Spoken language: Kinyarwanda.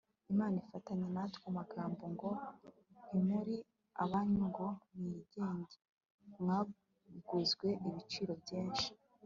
imana ifitanye natwe. amagambo ngo, ntimuri abanyu ngo mwigenge, mwaguzwe igiciro cyinshi